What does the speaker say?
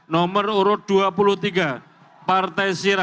nomor urut dua puluh tiga partai sira